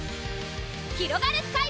ひろがるスカイ！